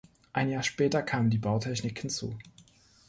Ein Jahr später kam die Bautechnik hinzu.